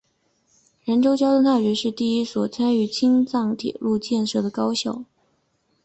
兰州交通大学是第一所参与青藏铁路建设的高校。